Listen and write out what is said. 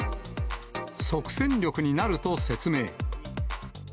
即戦力になると説明。